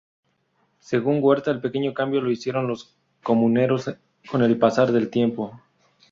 Según Huerta el pequeño cambio lo hicieron los comuneros con el pasar del tiempo.